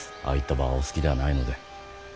ああいった場はお好きではないので。